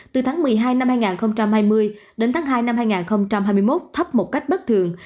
từ tháng một mươi hai năm hai nghìn hai mươi đến tháng hai năm hai nghìn hai mươi một thấp một cách bất thường